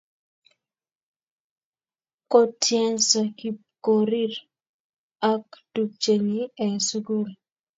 Kotyenso Kipkorir ak tupchennyi eng' sukul